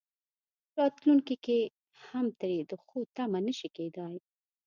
راتلونکي کې هم ترې د ښو تمه نه شي کېدای.